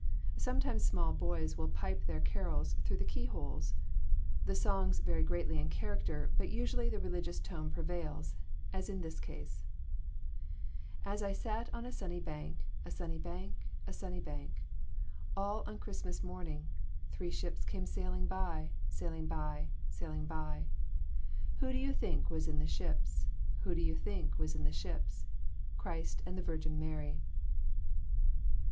Sometimes small boys will pipe their carols through the key holes. The songs vary greatly in character, but usually the religious tone prevails, as in this case: As I sat on a sunny bank, a sunny bank, a sunny bank, All on a Christmas morning, Three ships came sailing by, sailing by, sailing by. Who do you think was in the ships? Who do you think was in the ships? Christ and the Virgin Mary.